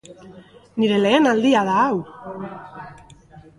Nire lehen aldia da hau!